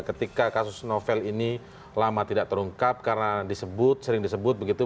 ketika kasus novel ini lama tidak terungkap karena disebut sering disebut begitu